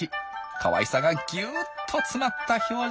かわいさがギュッと詰まった表情。